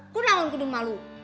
aku nangon aku udah malu